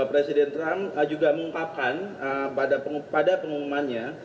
presiden trump juga mengungkapkan pada pengumumannya